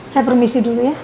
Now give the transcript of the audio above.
saya permisi dulu ya